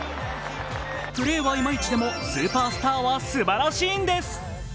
プレーはいまいちでも、スーパースターはすばらしいんです。